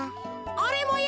おれもよ